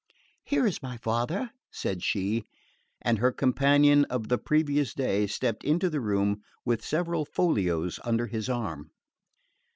"Here is my father," said she; and her companion of the previous day stepped into the room with several folios under his arm.